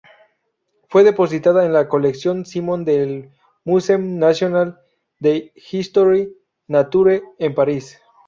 Fue depositada en la colección Simon del Museum National d'Histoire Naturelle, en París.